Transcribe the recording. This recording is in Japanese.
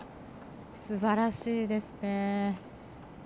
すばらしいですね。